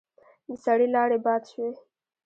د سړي لاړې باد شوې.